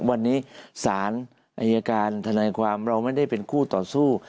วันนี้สารอายการทนายความเราไม่ได้เป็นคู่ต่อสู้